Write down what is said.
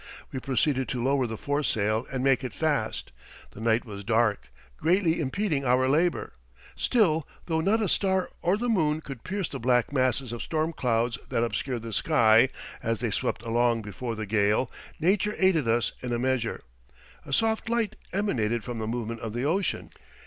We proceeded to lower the foresail and make it fast. The night was dark, greatly impeding our labor. Still, though not a star or the moon could pierce the black masses of storm clouds that obscured the sky as they swept along before the gale, nature aided us in a measure. A soft light emanated from the movement of the ocean.